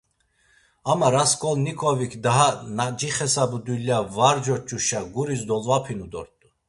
Ama Raskolnoǩovik daha na cixesabu dulya var coç̌uşa, guris dolvapinu dort̆u.